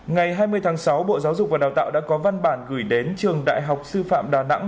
ngày hai mươi tháng sáu bộ giáo dục và đào tạo đã có văn bản gửi đến trường đại học sư phạm đà nẵng